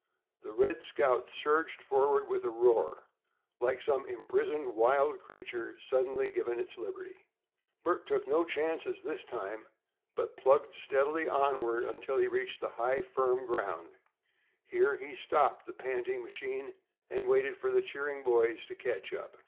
The "Red Scout" surged forward with a roar, like some imprisoned wild creature suddenly given its liberty. Bert took no chances this time, but plugged steadily onward until he reached high, firm ground. Here he stopped the panting machine, and waited for the cheering boys to catch up.